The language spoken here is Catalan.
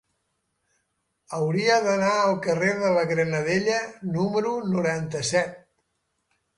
Hauria d'anar al carrer de la Granadella número noranta-set.